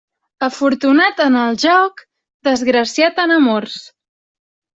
Afortunat en el joc, desgraciat en amors.